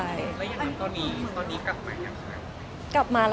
แล้วยังยังตอนนี้กลับมาแล้วค่ะ